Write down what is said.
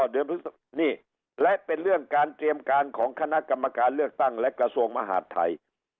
นี่และเป็นเรื่องการเตรียมการของคณะกรรมการเลือกตั้งและกระทรวงมหาดไทย